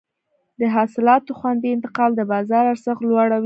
د حاصلاتو خوندي انتقال د بازار ارزښت لوړوي.